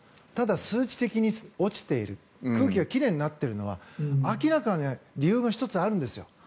ただ、数字的に落ちている空気が奇麗になっているのは明らかに理由が１つあるんですよ。